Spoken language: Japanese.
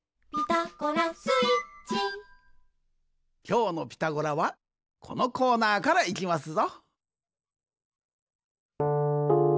きょうの「ピタゴラ」はこのコーナーからいきますぞ。